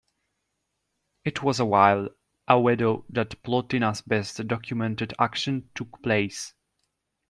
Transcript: It was while a widow that Plotina's best documented action took place.